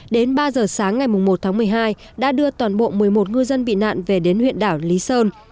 đến ba giờ sáng ngày một tháng một mươi hai đã đưa toàn bộ một mươi một ngư dân bị nạn về đến huyện đảo lý sơn